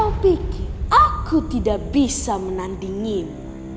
kau pikir aku tidak bisa menandingimu